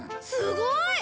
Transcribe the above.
すごい！